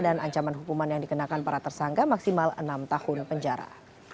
dan ancaman hukuman yang dikenakan para tersangka maksimal enam tahun penjara